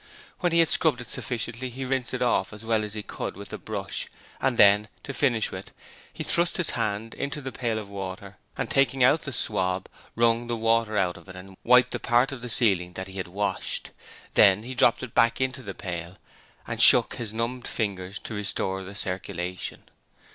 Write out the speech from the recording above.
When he had scrubbed it sufficiently he rinsed it off as well as he could with the brush, and then, to finish with, he thrust his hand into the pail of water and, taking out the swab, wrung the water out of it and wiped the part of the ceiling that he had washed. Then he dropped it back into the pail, and shook his numbed fingers to restore the circulation.